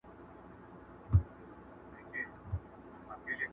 چي هر پردی راغلی دی زړه شینی دی وتلی،